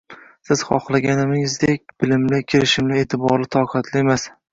Siz xohlaganingizdek bilimli, kirishimli, e’tiborli, toqatli emas.